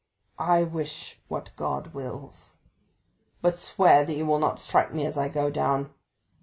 "I wish what God wills." "But swear that you will not strike me as I go down."